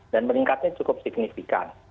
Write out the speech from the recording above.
dan meningkatnya cukup signifikan